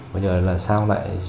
bây giờ là sao lại